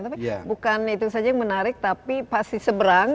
tapi bukan itu saja yang menarik tapi pasti seberang